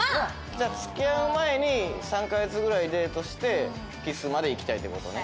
じゃあ付き合う前に３カ月ぐらいデートしてキスまでいきたいって事ね。